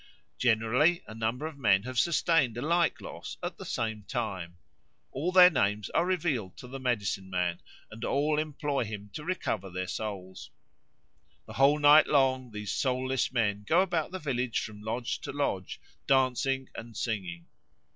Generally a number of men have sustained a like loss at the same time; all their names are revealed to the medicine man, and all employ him to recover their souls. The whole night long these soulless men go about the village from lodge to lodge, dancing and singing.